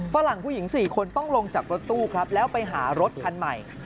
ฝรั่งผู้หญิง๔คนต้องลงจากรถตู้ครับแล้วไปหารถคันใหม่